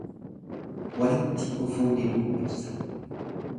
Walitti dhufuu diduu ibsa.